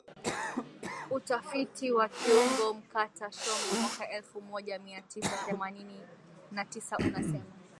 Utafiti wa kiungo mkata shombo mwaka elfu moja mia tisa themanini na tisa unasema